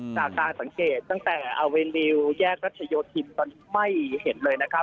จากการสังเกตตั้งแต่อาเวนิวแยกรัชโยธินตอนนี้ไม่เห็นเลยนะครับ